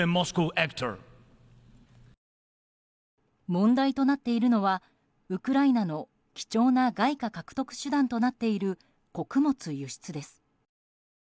問題となっているのはウクライナの貴重な外貨獲得手段となっている穀物輸出です。